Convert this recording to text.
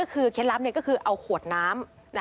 คือเคล็ดลับก็คือเอาขวดน้ำ